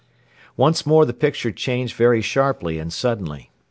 Once more the picture changed very sharply and suddenly.